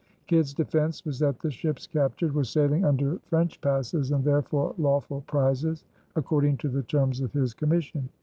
Kidd's defense was that the ships captured were sailing under French passes and therefore lawful prizes according to the terms of his commission.